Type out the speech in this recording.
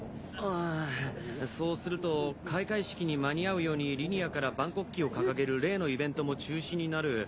あぁそうすると開会式に間に合うようにリニアから万国旗を掲げる例のイベントも中止になる。